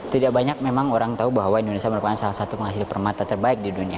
tidak banyak memang orang tahu bahwa indonesia merupakan salah satu penghasil permata terbaik di dunia